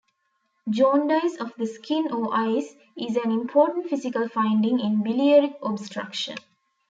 Jaundice of the skin or eyes is an important physical finding in biliary obstruction.